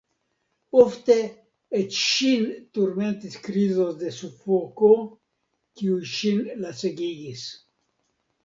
Ofte eĉ ŝin turmentis krizoj de sufoko, kiuj ŝin lacegigis.